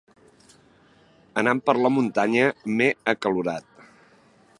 Anant per la muntanya m'he acalorat.